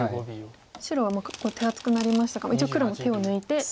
白は手厚くなりましたが一応黒も手を抜いて打ててると。